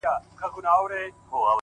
• د قدرت دپاره هر يو تر لاس تېر وو,